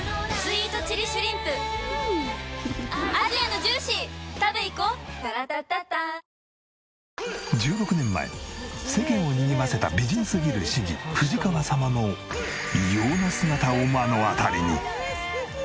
ＪＴ１６年前世間をにぎわせた美人すぎる市議藤川様の異様な姿を目の当たりに。